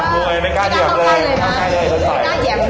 บ้วยไม่กล้าเหยียบเลย